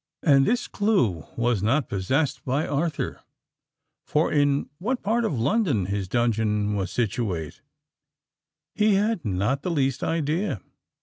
And this clue was not possessed by Arthur; for in what part of London his dungeon was situate, he had not the least idea.